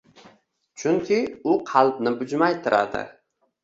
Chunki u qalbni bujmaytiradi.